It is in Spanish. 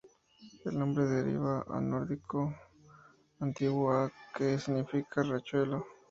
El nombre deriva del nórdico antiguo "á", que significa riachuelo.